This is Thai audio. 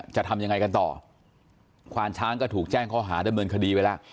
จะทำยังไงกันต่อควานช้างก็ถูกแจ้งข้อหาดำเนินคดีไปแล้ว